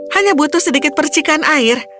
hanya butuh sedikit percikan air